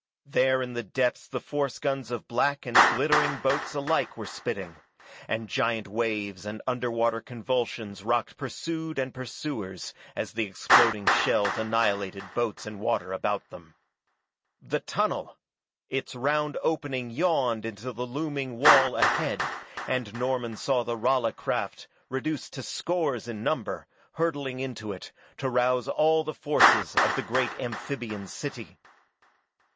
There in the depths the force guns of black and glittering boats alike were spitting, and giant waves and underwater convulsions rocked pursued and pursuers as the exploding shells annihilated boats and water about them. The tunnel! Its round opening yawned in the looming wall ahead, and Norman saw the Rala craft, reduced to scores in number, hurtling into it, to rouse all the forces of the great amphibian city.